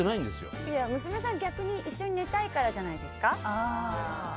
娘さん、逆に一緒に寝たいからじゃないですか。